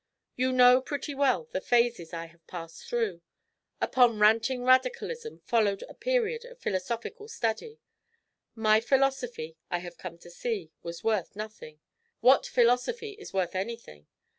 You know pretty well the phases I have passed through. Upon ranting radicalism followed a period of philosophical study. My philosophy, I have come to see, was worth nothing; what philosophy is worth anything?